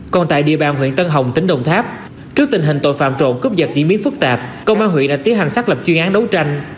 còn tại địa bàn huyện tân hồng tỉnh đồng tháp trước tình hình tội phạm trộm cướp giật diễn biến phức tạp công an huyện đã tiến hành xác lập chuyên án đấu tranh